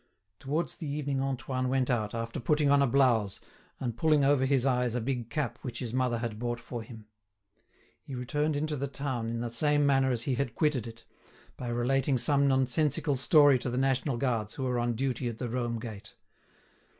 Towards the evening Antoine went out, after putting on a blouse, and pulling over his eyes a big cap which his mother had bought for him. He returned into the town in the same manner as he had quitted it, by relating some nonsensical story to the national guards who were on duty at the Rome Gate.